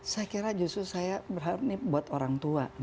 saya kira justru saya berharap ini buat orang tua